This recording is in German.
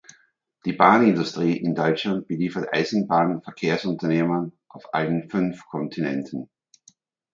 Die Bahnindustrie in Deutschland beliefert Eisenbahnverkehrsunternehmen auf allen fünf Kontinenten.